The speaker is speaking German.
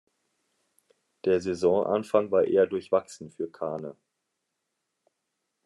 Der Saisonanfang war eher durchwachsen für Kahne.